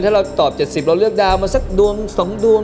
ถ้าเราตอบ๗๐เราเลือกดาวมาสักดวง๒ดวง